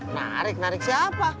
narik narik siapa